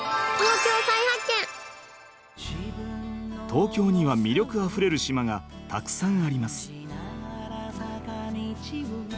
東京には魅力あふれる島がたくさんあります。